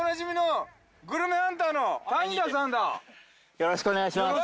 よろしくお願いします。